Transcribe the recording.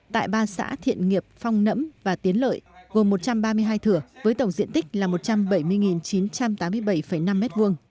tại ba xã thiện nghiệp phong nẫm và tiến lợi gồm một trăm ba mươi hai thửa với tổng diện tích là một trăm bảy mươi chín trăm tám mươi bảy năm m hai